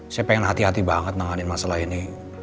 saya pengen hati hati banget menanganin masalah ini